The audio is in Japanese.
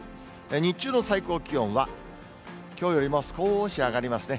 日中の最高気温はきょうよりも少し上がりますね。